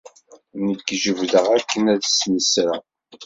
Nekk jebbdeɣ akken ad d-snesreɣ.